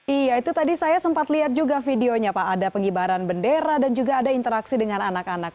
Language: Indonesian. iya itu tadi saya sempat lihat juga videonya pak ada pengibaran bendera dan juga ada interaksi dengan anak anak